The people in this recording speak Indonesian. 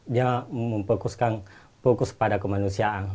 dia memfokuskan fokus pada kemanusiaan